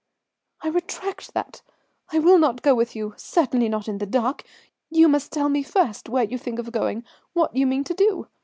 "I retract that. I will not go with you; certainly not in the dark. You must tell me first where you think of going, what you mean to do.